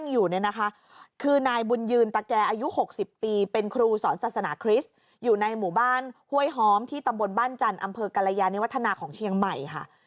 อยู่ในหมู่บ้านห้วยหอมที่ตำบลบ้านจันทร์อำเภอกรณญาณิวัฒนาของเชียงใหม่ค่ะ